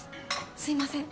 すみません。